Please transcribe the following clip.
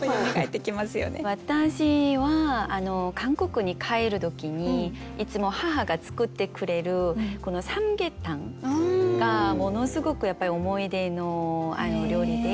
私は韓国に帰る時にいつも母が作ってくれるサムゲタンがものすごくやっぱり思い出の料理で。